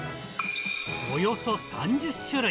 およそ３０種類。